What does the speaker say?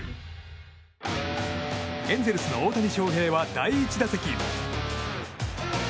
エンゼルスの大谷翔平は第１打席。